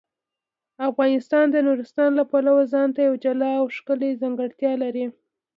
افغانستان د نورستان د پلوه ځانته یوه جلا او ښکلې ځانګړتیا لري.